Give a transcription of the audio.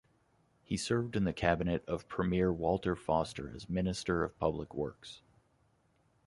He served in the cabinet of Premier Walter Foster as Minister of Public Works.